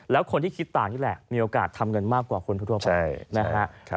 แล้วคนที่คิดต่างนี่แหละมีโอกาสทำเงินมากกว่าคนทั่วไปนะฮะ